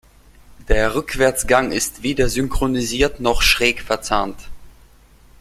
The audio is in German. Der Rückwärtsgang ist weder synchronisiert noch schräg verzahnt.